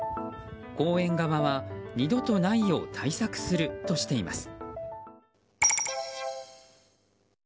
公園側は二度とないよう対策するとしています。